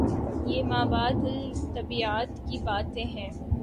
یہ مابعد الطبیعیات کی باتیں ہیں۔